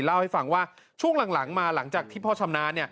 เล่าให้ฟังว่าช่วงหลังมาหลังจากที่พ่อชำนาญ